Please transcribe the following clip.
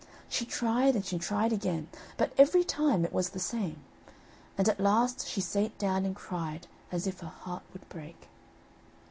She tried and she tried again, but every time it was the same; and at last she sate down and cried as if her heart would break.